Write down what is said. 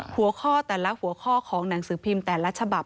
หัวข้อแต่ละหัวข้อของหนังสือพิมพ์แต่ละฉบับ